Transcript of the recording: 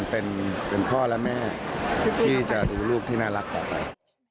เป็นพ่อและแม่ที่จะดูลูกที่น่ารักต่อไป